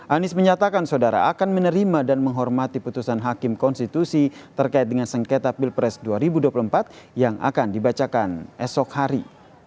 anies menyatakan saudara akan menerima dan menghormati putusan hakim konstitusi terkait dengan sengketa pilpres dua ribu dua puluh empat yang akan dibacakan esok hari